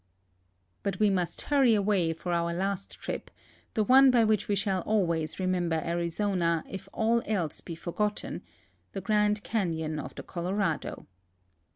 But we must hurry away for our last trij), the one l>y which we shall always remember Arizona if all else be forgotten — the Grand Canon of the Colorado.